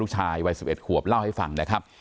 ลูกชายวัย๑๑ขวบเล่าให้ฟัง